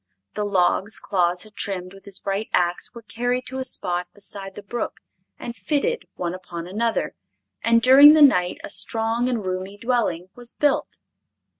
The logs Claus had trimmed with his bright ax were carried to a spot beside the brook and fitted one upon another, and during the night a strong and roomy dwelling was built.